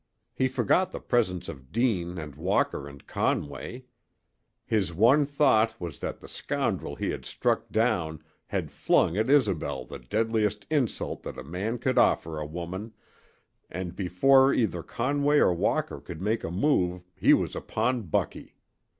He forgot the presence of Deane and Walker and Conway. His one thought was that the scoundrel he had struck down had flung at Isobel the deadliest insult that a man could offer a woman, and before either Conway or Walker could make a move he was upon Bucky.